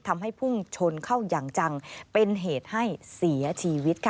ทำให้พุ่งชนเข้าอย่างจังเป็นเหตุให้เสียชีวิตค่ะ